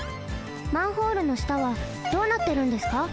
マンホールのしたはどうなってるんですか？